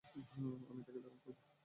আমি তাকে দান করব।